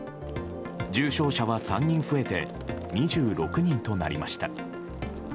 重症者は３人増えて２６人となりました。